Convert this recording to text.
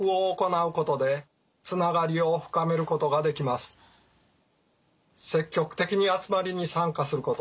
住人たちが積極的に集まりに参加すること。